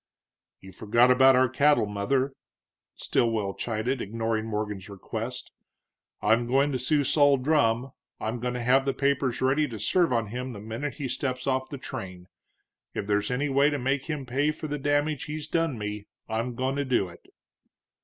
"You forgot about our cattle, Mother," Stilwell chided, ignoring Morgan's request. "I'm goin' to sue Sol Drumm, I'm goin' to have the papers ready to serve on him the minute he steps off of the train. If there's any way to make him pay for the damage he's done me I'm goin' to do it."